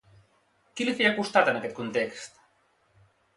Qui li feia costat, en aquest context?